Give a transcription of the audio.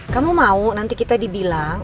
kamu mau nanti kita dibilang